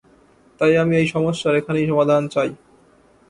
তাই আমি এই সমস্যার এখানেই সমাধান চাই।